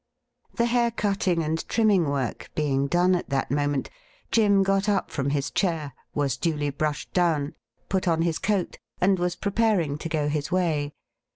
The hair cutting and trimming work being done at that moment, Jim got up from his chair, was duly brushed down, put on his coat, and was preparing to go his way.